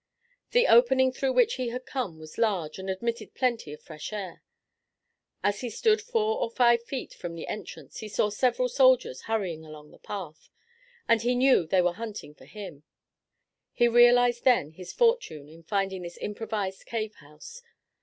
The opening through which he had come was large, and admitted plenty of fresh air. As he stood four or five feet from the entrance he saw several soldiers hurrying along the path, and he knew they were hunting for him. He realized then his fortune in finding this improvised cave house.